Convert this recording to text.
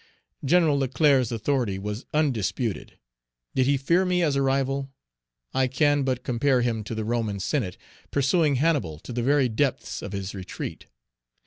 Gen. Leclerc's authority was undisputed; did he fear me as a rival? I can but compare him to the Roman Senate, pursuing Hannibal to the very depths of his retreat.